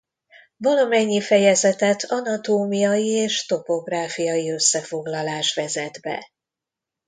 Valamennyi fejezetet anatómiai és topográfiai összefoglalás vezet be.